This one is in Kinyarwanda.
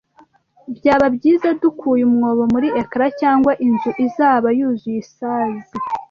Byaba byiza dukuye umwobo muri ecran cyangwa inzu izaba yuzuye isazi